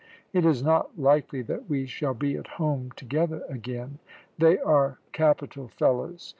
It is not likely that we shall be at home together again. They are capital fellows.